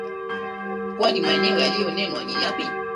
Kwani maneno yaliyonenwa ni yapi?